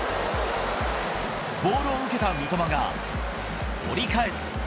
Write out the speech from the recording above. ボールを受けた三笘が折り返す。